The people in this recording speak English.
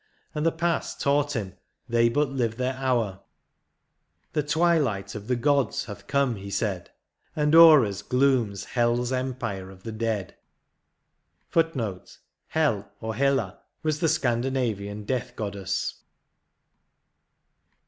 And the past taught him they but live their hour ;*' The twilight of the gods " hath come, he said. And o'er us glooms Hel's * empire of the dead. * Hel, or Hela, was the Scandinavian death goddess.